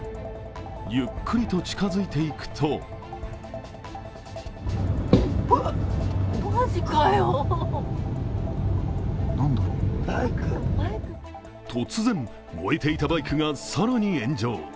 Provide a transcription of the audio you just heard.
ゆっくりと近づいていくと突然、燃えていたバイクが更に炎上。